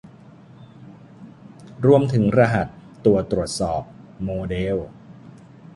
รวมถึงรหัส ตัวตรวจสอบ โมเดล